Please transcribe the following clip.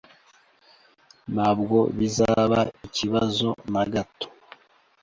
Ntabwo bizaba ikibazo na gato.